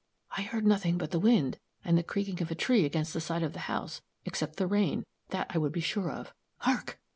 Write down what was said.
"I heard nothing but the wind, and the creaking of a tree against the side of the house, except the rain, that I would be sure of. Hark!"